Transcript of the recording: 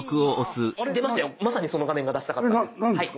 まさにその画面が出したかったんです。